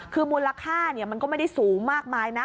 คือมูลค่ามันก็ไม่ได้สูงมากมายนะ